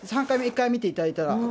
３回目、１回見ていただいたら。